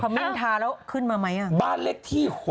มิ้นทาแล้วขึ้นมาไหมบ้านเลขที่๖